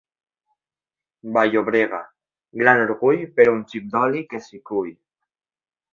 Vall-llobrega, gran orgull per un xic d'oli que s'hi cull.